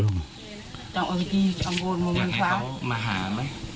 อยากให้เค้ามาหาไหม